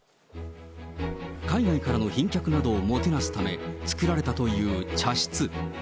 海外からの賓客などをもてなすため作られたという茶室。